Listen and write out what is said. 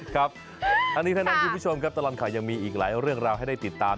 ครับอันนี้ทั้งนั้นคุณผู้ชมครับตลอดข่าวยังมีอีกหลายเรื่องราวให้ได้ติดตาม